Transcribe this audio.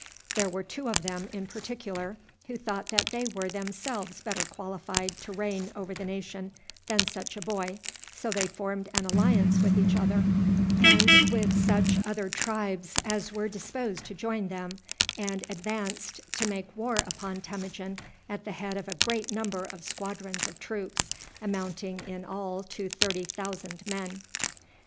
There were two of them, in particular, who thought that they were themselves better qualified to reign over the nation than such a boy; so they formed an alliance with each other, and with such other tribes as were disposed to join them, and advanced to make war upon Temujin at the head of a great number of squadrons of troops, amounting in all to thirty thousand men.